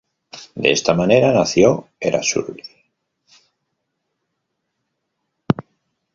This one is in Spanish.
De esta manera nació Erasure.